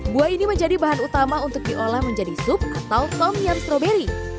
buah ini menjadi bahan utama untuk diolah menjadi sup atau tomyang stroberi